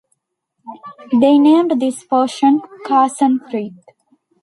They named this portion Carson Creek.